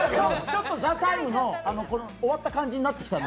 ちょっと「ＴＨＥＴＩＭＥ，」の終わった感じになってきた。